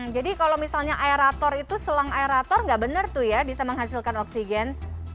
jadi kalau misalnya aerator itu selang aerator gak benar tuh ya bisa menghasilkan oksigen